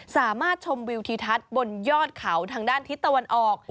สามารถชมวิวทิทัศน์บนยอดเขาทางด้านทิศตะวันออก